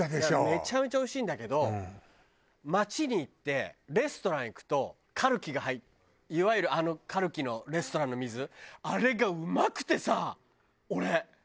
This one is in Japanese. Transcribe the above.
めちゃめちゃおいしいんだけど街に行ってレストラン行くとカルキが入っていわゆるカルキのレストランの水あれがうまくてさ俺。